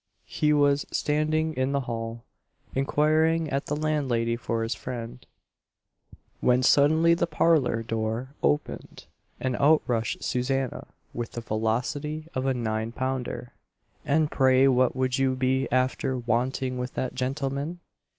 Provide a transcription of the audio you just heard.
he was standing in the hall, inquiring at the landlady for his friend, when suddenly the parlour door opened, and out rushed Susanna with the velocity of a nine pounder "And pray what would you be after wanting with that gentleman?"